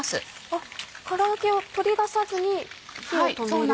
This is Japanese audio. あっから揚げを取り出さずに火を止める？